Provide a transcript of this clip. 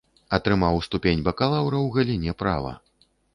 Атрымаў ступень бакалаўра ў галіне права.